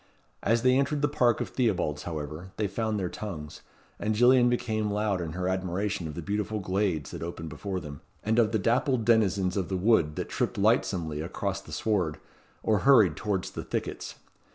As they entered the park of Theobalds, however, they found their tongues, and Gillian became loud in her admiration of the beautiful glades that opened before them, and of the dappled denizens of the wood that tripped lightsomely across the sward, or hurried towards the thickets.